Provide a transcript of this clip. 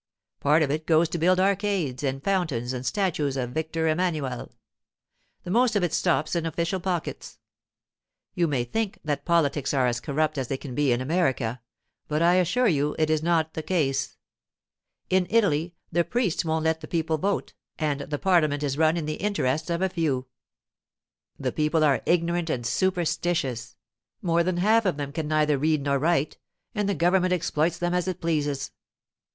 Part of it goes to build arcades and fountains and statues of Victor Emmanuel. The most of it stops in official pockets. You may think that politics are as corrupt as they can be in America, but I assure you it is not the case. In Italy the priests won't let the people vote, and the parliament is run in the interests of a few. The people are ignorant and superstitious; more than half of them can neither read nor write, and the government exploits them as it pleases.